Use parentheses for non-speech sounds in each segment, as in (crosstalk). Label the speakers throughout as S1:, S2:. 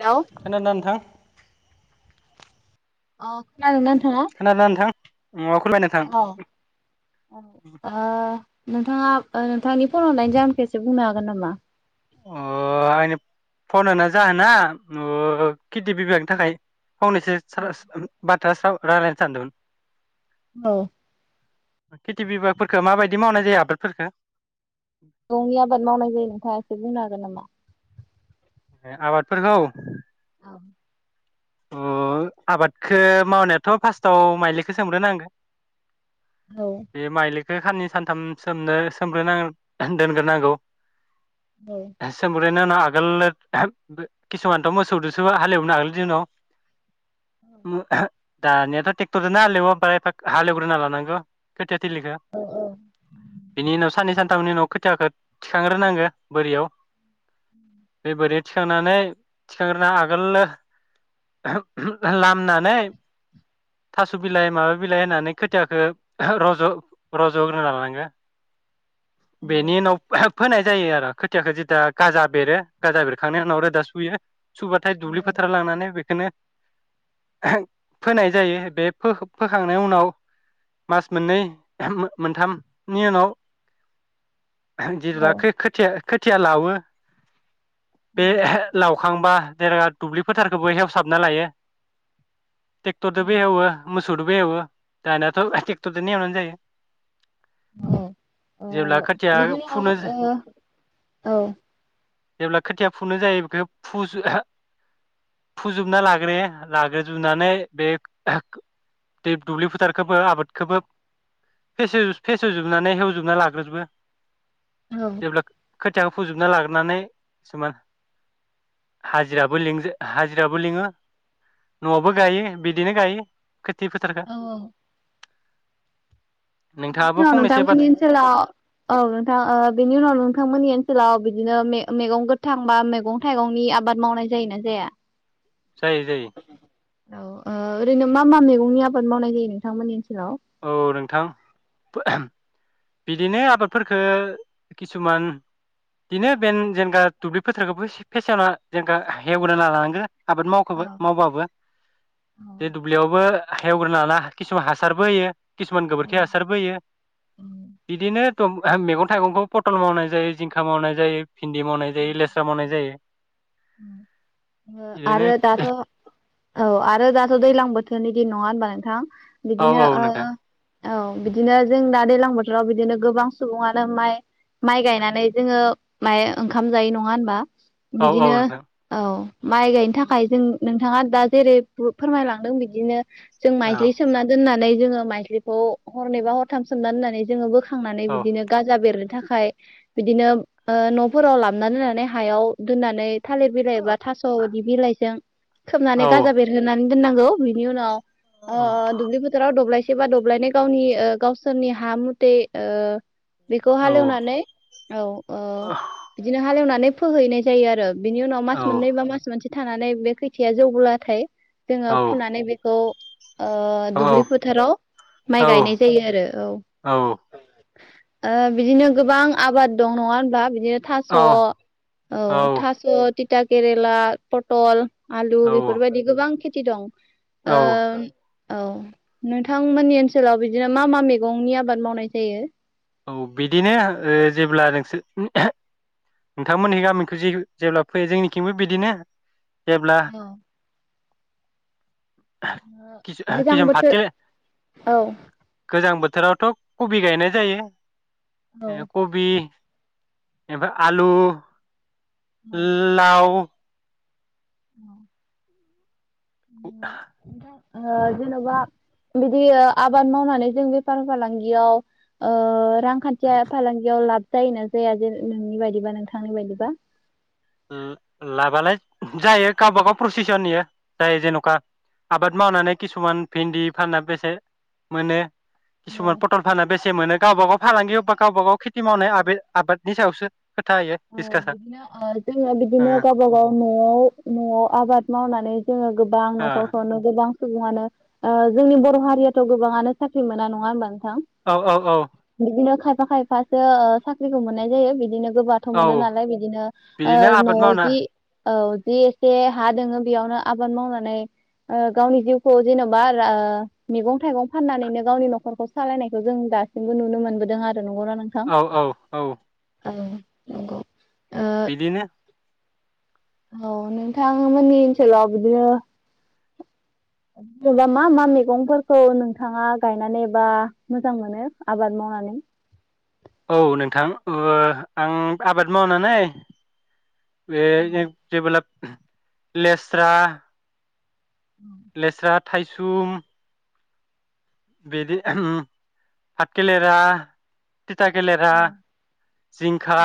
S1: Hello
S2: खोनादोंना नोंथां?
S1: अ खोनादोंना? नोंथाङा
S2: खोनादोंना नोंथां?
S1: अ ओ
S2: (unintelligible)
S1: नोंथाङा ओ नोंथांनि फन हरनायनि जाहोन खेबसे बुंनो हागोन नामा?
S2: अ आंनि फन हरनायनि जाहोना अ खेथि बिभागनि थाखाय फंनैसो (unintelligible) दा साव रायलायनो सानदोंमोन ।
S1: औ
S2: खेथि बिभागफोरखौ माबायदि मावनाय जायो आबादफोरफोरखौ
S1: न'नि आबाद मावनाय जायो नोंथाङा एसे बुंनो हागोन नामा?
S2: ए आबादफोरखौ
S1: औ
S2: अ आबादखौ मावनायाथ' फार्स्टआव माइलिखौ सोमग्रोनांगोन
S1: औ
S2: । बे माइलि बे साननै सानथाम सोमनो सोमग्रोना दोनग्रोनांगौ ।
S1: औ
S2: (unintelligible) आगोल किसुमानथ' मोसौ दोसो हालेवोमोन आगोलनि दिनाव (unintelligible) दानियाथ' ट्रेक्टरजों नो हालेवो बाय एफा हालेवग्रोना लानांगौ खोथि
S1: औ
S2: बिनि उनाव साननै सान थामनि उनाव खोथिखौ थिखांग्रोनांगो बोरियाव बे बोरियाव थिखांनानै थिखांग्रोना आगोल लामनानै थास' बिलाइ माबा बिलाइ होननानै खोथियाखौ रज' रज'ग्रो लानांगो बेनि उनाव फोनाय जायो आरो खोथियाखौ जेब्ला गाजा बेरो गाजा बेरखांनायनि उनाव रोदा सुयो । सुबाथाय दुब्लि फोथार लांनानै बे बेखौनो फोनाय जायो बे फो-फोखांनायनि उनाव मास मोननै मोनथामनि उनाव जेब्ला
S1: औ
S2: खो-खोथिया खोथिया लावो बे
S1: औ
S2: लावखांबा जेब्ला दुब्लि फोथारखौबो एवसाब ना लायो ट्रेक्टरदोबो हेवो मो सौदोबो एवो दानियाथ' ट्रेक्टरजों नो एवनानै जायो।
S1: औ ओ
S2: जेब्ला खोथिया
S1: बिदिनो
S2: फुनो
S1: ओ औ
S2: जेब्ला खोथिया फुनो जायो बेखौ फुजोबना लाग्रो लाग्रोजोबनानै बे दै दुब्लि फोथारखौबो आबादखौबो फेसेव- फेसेवजोबनानै हेवजोबना लाग्रोजोबो
S1: औ
S2: थियाखौ फुजोबना लाग्रोनानै किसुमान हाजिराबो लिंजा हाजिराबो लिङो न'आवबो गायो बिदिनो गायो। खोथि फोथारखो
S1: बेनि उनाव नोंथांमोननि ओनसोलाव औ नोंथां ओ बेनि उनाव नोंथांमोननि ओन ओनसोलाव बिदिनो मे- मेगं गोथां बा मेगं थाइगंनि आबाद मावनाय जायोना जाया?
S2: जायो जायो
S1: औ ओ ओरैनो मा मा मैगंनि आबाद मावनाय जायो नोंथांमोननि ओन
S2: औ नोंथां बिदिनो आबादफोरफोरखो किसुमान बिदिनो बे जेनेखा दुब्लि फोथारखौबो फेसेवना जेन हेवना लानांगो। आबाद मावखो
S1: औ
S2: मावबाबो
S1: औ
S2: बे दुब्लियावबो हेवग्रोन ना किसुमान हासारबो होयो। किसुमान
S1: औ
S2: गोबोरखि हासारबोयो बिदिनो मैगं थायगंखौ पटल मावनाय जायो जिंखा मावनाय जायो। भिन्दि मावनाय जायो लेस्रा मावनाय जायो बिदिनो
S1: आरो दाथ' औ आरो दाथ' दैज्लां बोथोरनि दिन नङा होनबा नोंथा?
S2: औ
S1: बिदिनो
S2: औ नोंथां
S1: औ बिदिनो जों दा दैज्लां बोथोर राव बिदिनो गोबां सुबुङानो माइ माइ गायनानै जोङो माइ ओंखाम जायो नङा होनबा?
S2: औ औ
S1: बिदिनो
S2: नोंथां
S1: औ। माइ गायनो थाखाय जों नोंथाङा दा जेरै फोरमायलांदों बिदिनो। जों
S2: औ
S1: माइज्लि सोमना दोननानै। जोङो माइस्लिखौ हरनैबा हरथाम सोमनानै दोननानै जोङो बो खांनानै
S2: औ
S1: बिदिनो गारजा बेरनो थाखाय बिदिनो ओ न' -फोराव लाबनानै दोननानै हायाव दोननानै थालिर
S2: औ
S1: बिलाइ बा थास' बिदि बिलाइजों
S2: औ
S1: खोबनानै गाजा बेरहोनानै दोननांगौ बिनि उनाव अ अ दुबलि फुथाराव दबलाय से बा दब्लायनै गावनि गावसोरनि हा मथे ओ बेखौ
S2: औ
S1: हाल एवनानै औ औ नो हालेवनानै फोहैनाय जायो आरो बिनि उनाव मास मोननै बा मास मोनसे थानानै बे खैथायाया जौब्लाथाय
S2: औ
S1: जोङो फुनानै बेखौ ओ
S2: औ
S1: दुब्लि फोथाराव
S2: औ
S1: माइ गायनाय जायो आरो औ ओ बिदिनो गोबां आबाद दं नङा होनबा बिदिनो थास' औ थास' थिथा केरला पटल आलु
S2: औ
S1: बेफोरबायदि गोबां खे थि दं ओ
S2: औ
S1: औ नोंथांमोननि ओनसोलाव बिदिनो मा मा मैगंनि आबाद मावनाय जायो
S2: औ बिदिनो ओ जेब्ला नोंसोर नोंथांमोननि गामिखौ जेब्ला फैयो जोंनिथिंबो बिदिनो जेब्ला
S1: गोजां
S2: किसुम
S1: बोथोर
S2: फाथो
S1: औ
S2: थोरावथ' कबि गायनाय जायो
S1: औ
S2: ए कबि एनिफ्राय आलु लाव
S1: औ ओ जेन'बा बिदि आबाद मावनानै जों बेफार फालांगियाव ओ रांखान्थिया फालांगियाव लाब जायोना जाया जे नोंनि बायदिबा नोंथांनि बायदिबा
S2: ला-लाबालाय जायो गावबागाव प्रसिसन इयो जाय जेन'का आबाद मावनानै किसुमान भिन्दि फानना बेसे मोनो
S1: औ
S2: किसुमान पटल फानना बेसे मोनो गावबा गाव फालाांगियाव गावबा गाव खेथि मावनाय
S1: औ
S2: आबे आबादनि सायावसो खोथा इयो
S1: औ
S2: दिसकासा
S1: बिदिनो ओ जोङो बिदिनो गावबा गाव न'आव न'आव आबाद मावनानै जोङो गोबां न'खरखौनो गोबां सुबुङानो ओ जोंनि बर' हारियाथ' गोबाङानो साख्रि मोना नङा होमबा नोंथां
S2: ओ औ औ
S1: बिदिनो खायफा खायसो ओ साख्रिखौ मोननाय जायो बिदिनो गो थ' मोना
S2: औ
S1: नालाय बिदिनो ओ
S2: बिदिनो आबाद
S1: न'आव
S2: मावना
S1: जि औ जि एसे हा दोङो बेयावनो आबाद मावनानै ओ गावनि जिउखौ जेन'बा मैगं थाइगं फाननानैनो गावनि न'खरखौ सालायनायखौ जों दासिमबो नुनो मोनबोदों आरो नंगौना नोंथां
S2: औ औ औ
S1: औ नंगौ ओ
S2: बिदिनो
S1: औ नोंथांमोननि ओनसोलाव बिदिनो जेनेबा मा मा मैगंफोरखौ नोंथाङा गायनानै बा मोजां मोनो आबाद मावनानै
S2: औ नोंथां ओ आं आबाद मावनानै बे जेबोला लेस्रा लेस्रा थाइसुम बिदि भाथखेलेरा थिथा खेलेरा जिंखा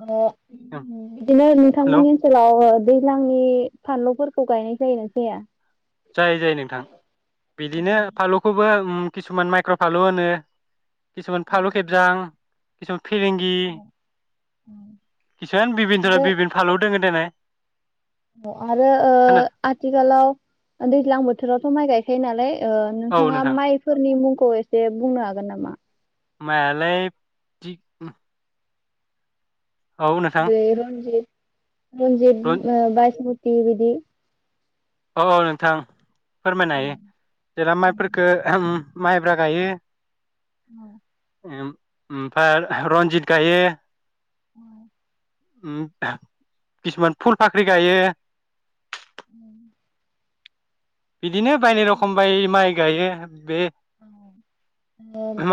S1: ओ बिदिनो
S2: हेलौ
S1: नोंथांमोननि ओनसोलाव दैज्लांनि फानलुफोरखौ गायनाय जायो ना जाया?
S2: जायो जायो नोंथां बिदिनो फानलुखौबो उम किसुमान माइक्र' फानलु होनो किसुमान फालु खेबजां (unintelligible) फिरेंगि किसुमान बिबिन र
S1: आरो
S2: बिबिन फालौ दोङो नायलाय ।
S1: आरो ओ
S2: खोनादों
S1: आथिखालाव दैज्लां बोथोरावथ' माइ गायखायो नालाय ओ
S2: औ
S1: नोंथाङा
S2: नोंथां
S1: माइफोरनि मुं खौ एसे बुंनो हागोन नामा?
S2: मायालाय औ नोंथां
S1: जेरै रनजिद जिद
S2: रन
S1: ओ बायसमु थि बिदि
S2: औ औ नोंथां फोरमायनो
S1: औ
S2: हायो जेराव माइफोरखो माइब्रा गायो
S1: औ
S2: ओम ओमफ्राय रन्जित गायो।
S1: औ
S2: उम किसुमान फुल फाख्रि गायो।
S1: उम
S2: बिदिनो बायनाय रखम बाय माइ गायो बे
S1: औ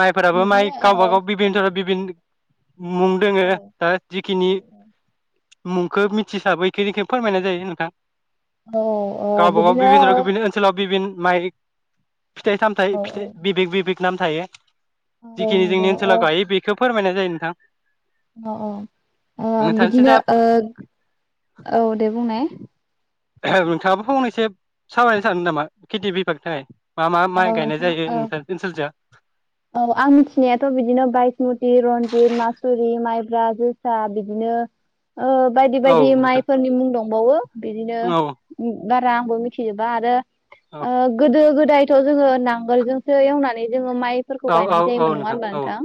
S2: माइफोराबो
S1: बिदिनो
S2: माइ
S1: ओ
S2: गावबा गाव बिभिन धरन बिभिन मुं दोङो
S1: औ
S2: दा जिखिनि मुंखौ मिथिसाबो इख बेखौनो फोरमायनाय जायो नोंथां।
S1: औ ओ बिदिनो
S2: बिबिन' ओनसोलाव बिबिन' माइक फिथाइ सामथाइ
S1: औ
S2: फिथाइ बिबेक बिबेक नाम थायो।
S1: औ
S2: जिखिनि जोंनि
S1: नंगौ औ
S2: ओनसोला गायो बेखो फोरमायनाय जायो नोंथां।
S1: औ औ ओ
S2: नोंथांसिम दा
S1: बिदिनो औ दे बुंनाय।
S2: नोंथाङाबो फंनैसो सावरायनो सानदो नामा खेथि बिफागनि थाखाय मा मा
S1: औ
S2: माइ गायनाय
S1: नोंथां
S2: जायो
S1: औ
S2: ओनसोलजो
S1: औ आं मिथिनायाथ' बिदिनो बायसमुति, रनजित, मासुरि माइब्रा, जोसा बिदिनो ओ बायदि
S2: औ
S1: बायदि
S2: नोंथां
S1: माइफोरनि मुं दंबावो बिदिनो
S2: औ
S1: बाद रा आंबो मिथिजोबा आरो ओ गोदो गोदो गोदायथ' जोङो नांगोलजोंसो एवनानै जोङो माइ फोरखौ
S2: औ
S1: गायनाय
S2: औ
S1: जायोमोन नङा होनबा
S2: औ
S1: नोंथां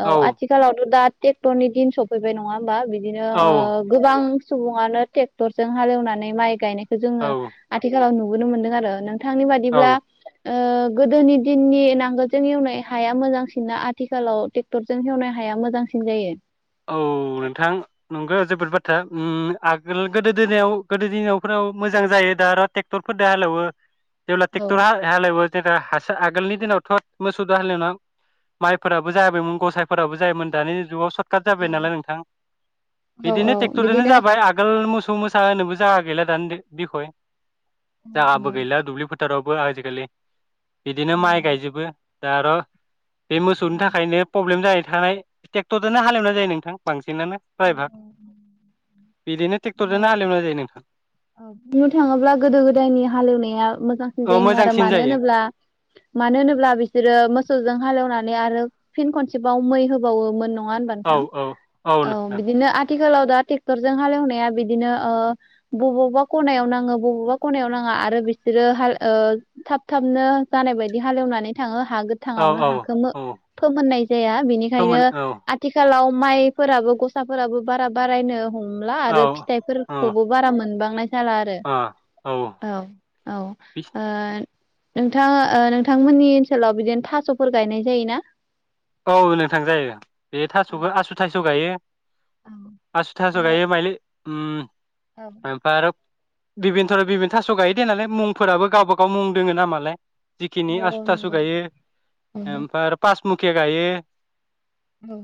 S1: औ आथिखालावथ' दा ट्रेक्टरनि दिन सफैबाय नङा होमबा? बिदिनो ओ
S2: औ
S1: गोबां सुबुङानो ट्रेक्टरजों हालेवनानै माइ गायनाय जोङो
S2: औ
S1: आथिखालाव नु नुनो मोनदों आरो नों नोंथांनि
S2: औ
S1: बादिब्ला। गोदोनि दिननि नांगोलजों एवनाय हाया मोजांसिन ना आथिखालाव ट्रेक्टरजों हेवनाय हाया मोजांसिन जायो
S2: औ नोंथां नोंगो जोबोद बाथ ओ आगोल गोदो दिनाव गोदो दिनावफोराव मोजां जायो दा आरो ट्रेक्टरफोरजों हालेवो जेब्ला
S1: औ
S2: टेक्टर हा-हाल एवो दे दा हासो आगोलनि दिनावथ' मोसौ दो हाल एवना माइफोराबो जाबायमोन गसाइफोराबो जायोमोन दानि जुगाव स जाबाय नालाय नोंथां
S1: औ औ
S2: बिदिनो ट्रेक्टरजोंनो
S1: बिदिनो
S2: जाबाय आगोल मोसौ मोसा होनोबो जोंहा गैला दानि बिखय जोहाबो गैला दुब्लि फो थारावबो आजिखालि बिदिनो माइ गायजोबो दा आरो बे मोसौनि थाखायनो प्रब्लेम जायो थानाय टेक्टर दोनो हालेवनाय जायो नोंथां बांसिन बिदिनो ट्रेक्टरजोंनो हालेवनाय जायो नोंथां
S1: औ बुंनो थाङोब्ला गोदो गोदायनि हालेवनाया मोजां
S2: औ
S1: जायोमोन आरो
S2: मोजांसिन
S1: मानो
S2: जायो
S1: होनोब्ला मानो होनोब्ला बिसोरो मोसौजों हालेवनानै आरो फिन खनसेबाव मै होबावोमोन । नङा होनबा
S2: औ औ
S1: नोंथां औ
S2: नोंथां
S1: बिदिनो आथिखालाव दा ट्रेक्टर जों हालेवनाया बिदिनो ओ बबावबा खनायाव नाङो बबावबा खनायाव नाङा आरो बिसोरो हाल ओ थाब थाबनो जानाय बायदि हालेवनानै थाङो । हा
S2: औ
S1: गोथाङावनो
S2: औ
S1: हाखौ मो
S2: औ
S1: फोमहोननाय जाया बेनिखायनो
S2: फोमोन औ
S1: आथिखालाव माय फोराबो गसाफोराबो बारा बारायनो हमला
S2: औ
S1: आरो
S2: औ
S1: फिथाइफोरखौबो बारा मोनबां जाला आरो
S2: आ
S1: औ औ ओ
S2: बि
S1: नोंथाङा ओ नोंथांमोननि ओनसोलाव बिदिनो थास'फोर गायनाय जायो ना?
S2: औ नोंथां जायो बे थास'खौ आसु थास' गायो आसु थास' गायो माइ उम ओमफ्राय आरो बिबिन थराव बिबिन थास' गायो दे नालाय मुंफोराबो गावबागाव मुं दोङो नामालाय । जिखिनि आसु थासु गायो
S1: ओ
S2: ओमफ्राय आरो पास खिया गायो
S1: औ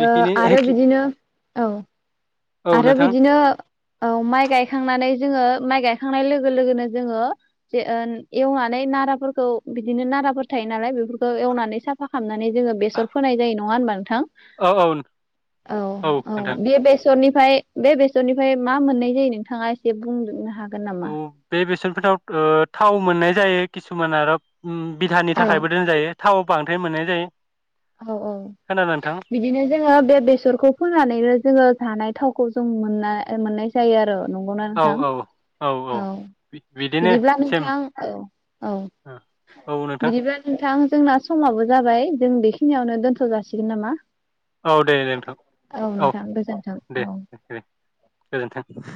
S1: ओ आरो
S2: एखे
S1: बिदिनो औ
S2: औ
S1: आरो
S2: नोंथां
S1: बिदिनो ओ माइ गायखांनानै जोङो माइ गायखांनाय लोगो लोगोनो जोङो एवनानै नाराफोरखौ बिदिनो नाराफोर थायो नालाय बेफोरखौनानै साफा खालामनानै जोङो बेसर फोनाय जायो नङा होनबा? नोंथां
S2: औ औ औ नोंथां
S1: सरनिफ्राय बे बेसरनिफ्राय मा मोननाय जायो नोंथाङा एसे बुंनो हागोन नामा?
S2: औ बे बेसेरनिफ्रायथ ओ थाव मोननाय जायो किसुमान आरो उम बिधानि थाखायबो दोनजायो थाव बांद्राय मोननाय जायो ।
S1: औ औ बिदिनो जोङो बे बेसरखौ फोनानैनो जोङो जानाय थावखौ जों मोन मोननाय जायो आरो नंगौना
S2: औ
S1: नोंथां
S2: औ
S1: औ
S2: बिदिनो
S1: बिदिब्ला
S2: सेम
S1: नोंथां औ औ
S2: औ नोंथां
S1: बिदिब्ला नोंथां जोंना समाबो जाबाय जों बे खिनियावनो दोनथ' जासिगोन नामा
S2: औ दे नोंथां औ दे दे दे गोजोनथों